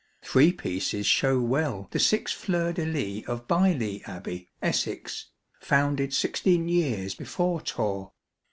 Three pieces show well the six fleurs de lys of Bileigh Abbey, Essex, founded sixteen years before Torre.